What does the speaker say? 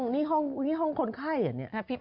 นี่ห้องคนไข้เหรอเนี่ย